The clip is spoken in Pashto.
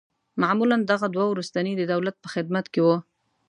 معمولاً دغه دوه وروستني د دولت په خدمت کې وه.